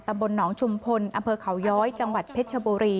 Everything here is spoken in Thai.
ตำบลหนองชุมพลอำเภอเขาย้อยจังหวัดเพชรชบุรี